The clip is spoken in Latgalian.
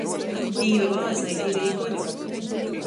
Dīva vāzai diveji goli.